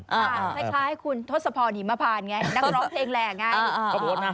คล้ายคุณทศพรหิมพานไงนักร้องเพลงแหล่ไง